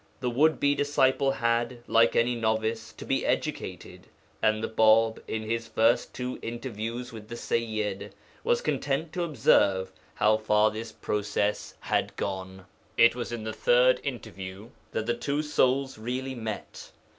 The would be disciple had, like any novice, to be educated, and the Bāb, in his first two interviews with the Sayyid, was content to observe how far this process had gone. It was in the third interview that the two souls really met.